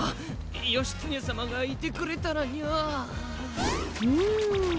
義経さまがいてくれたらニャ。